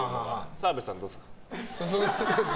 澤部さんはどうですか？